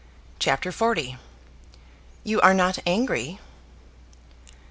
CHAPTER XL "You Are Not Angry?"